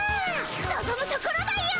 のぞむところだよ。